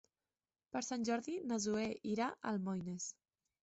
Per Sant Jordi na Zoè irà a Almoines.